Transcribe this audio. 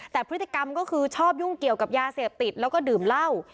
แต่พฤติกรรมก็คือชอบยุ่งเกี่ยวกับยาเสพติดแล้วก็ดื่มเหล้า